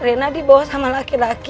rena dibawa sama laki laki